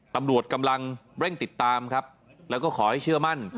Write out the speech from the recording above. ตำรวจกำลังเร่งติดตามครับแล้วก็ขอให้เชื่อมั่น